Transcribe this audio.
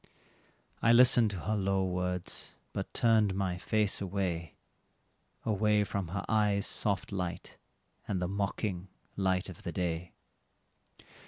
I listened to her low words, but turned my face away Away from her eyes' soft light, and the mocking light of the day.